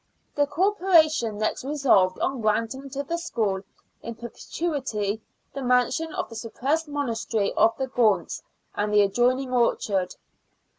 The Corporation next resolved on granting to the school, in perpetuity, the mansion of the suppressed Monastery of the Gaunts and the adjoining 84 SIXTEENTH CENTURY BRISTOL. orchard.